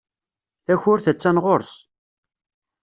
Takurt attan ɣer-s.